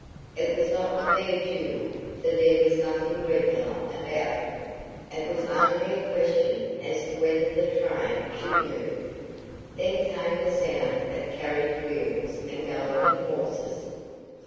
It was not to be a duel, for there was nothing regular about it. It was only a question as to whether the train should move. Then came the sound of carriage wheels and galloping horses.